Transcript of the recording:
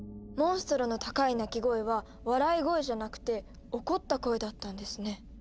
モンストロの高い鳴き声は笑い声じゃなくて怒った声だったんですね。